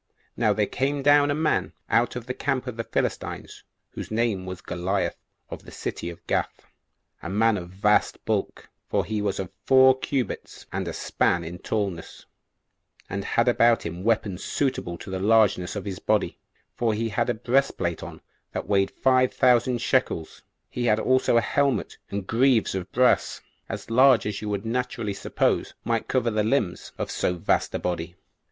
Now there came down a man out of the camp of the Philistines, whose name was Goliath, of the city of Gath, a man of vast bulk, for he was of four cubits and a span in tallness, and had about him weapons suitable to the largeness of his body, for he had a breastplate on that weighed five thousand shekels: he had also a helmet and greaves of brass, as large as you would naturally suppose might cover the limbs of so vast a body.